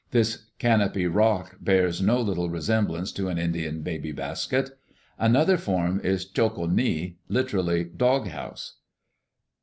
This... canopy rock bears no little resemblance to an Indian baby basket. Another form is cho ko' ni,... literally... 'dog house.'